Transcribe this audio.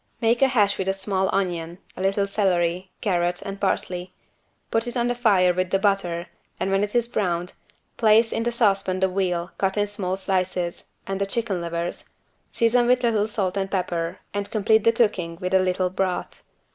Make a hash with a small onion, a little celery, carrot and parsley, put it on the fire with the butter and when it is browned, place in the saucepan the veal cut in small pieces and the chicken livers, season with little salt and pepper and complete the cooking with a little broth.